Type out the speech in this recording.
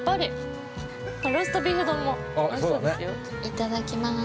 いただきます。